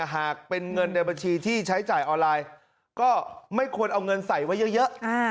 หากเป็นเงินในบัญชีที่ใช้จ่ายออนไลน์ก็ไม่ควรเอาเงินใส่ไว้เยอะ